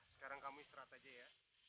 sekarang kamu istirahat aja ya